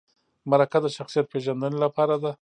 مرکه د شخصیت پیژندنې لپاره ده